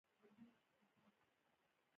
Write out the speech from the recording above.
اخلاق د کاروبار بنسټ دي.